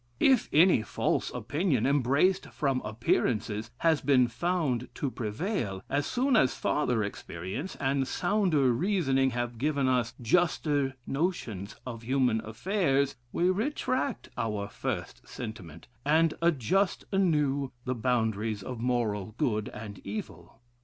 If any false opinion, embraced from appearances, has been found to prevail; as soon as farther experience and sounder reasoning have given us juster notions of human affairs, we retract our first sentiment, and adjust anew the boundaries of moral good and evil.